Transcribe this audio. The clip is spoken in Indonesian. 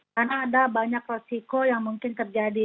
karena ada banyak risiko yang mungkin terjadi